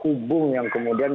hubung yang kemudian